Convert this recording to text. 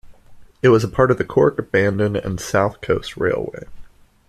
It was a part of the Cork, Bandon and South Coast Railway.